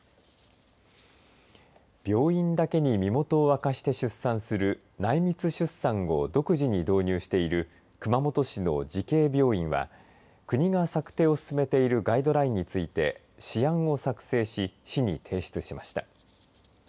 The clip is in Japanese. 病院だけに身元を明かして出産する内密出産を独自に導入している熊本市の慈恵病院は国が策定を進めているガイドラインについて私案を作成し市に提出しました。